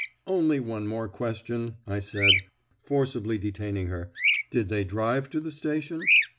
"Only one more question," I said, forcibly detaining her. "Did they drive to the station?"